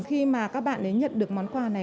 khi mà các bạn ấy nhận được món quà này